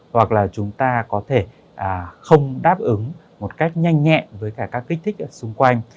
hoặc là chúng ta có thể không đáp ứng một cách nhanh nhẹn với cả các kích thích ở xung quanh